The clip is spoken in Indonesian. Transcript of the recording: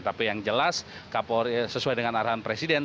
tapi yang jelas sesuai dengan arahan presiden